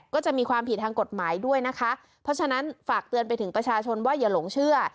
ก็จะมีความผิดทางกฎหมายด้วยนะคะเพราะฉะนั้นฝากเตือนไปถึงประชาชนว่าอย่าหลงเชื่อ